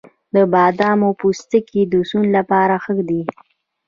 د بادامو پوستکی د سون لپاره ښه دی؟